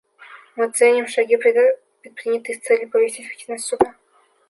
Мы ценим шаги, предпринятые с целью повысить эффективность Суда.